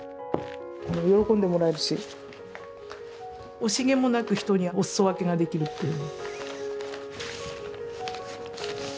喜んでもらえるし、惜しげもなく人におすそ分けができるっていう。